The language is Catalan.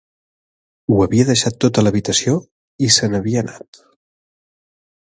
Ho havia deixat tot a l'habitació i se n'havia anat.